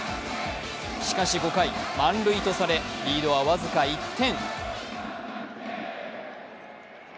しかし５回、満塁とされリードは僅か１点。